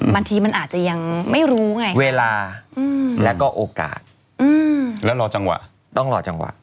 บางทีมันอาจจะยังไม่รู้ไงเวลาแล้วก็โอกาสแล้วรอจังหวะต้องรอจังหวะ